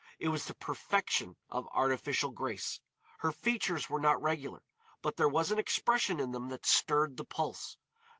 It was the perfection of artificial grace. Her features were not regular, but there was an expression in them that stirred the pulse.